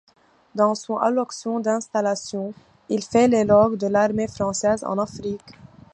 Dans son allocution d'installation, il fait l’éloge de l’Armée française en Afrique.